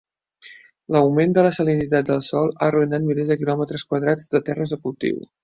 L'augment de la salinitat del sòl ha arruïnat milers de quilòmetres quadrats de terres de cultiu.